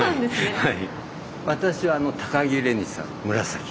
はい。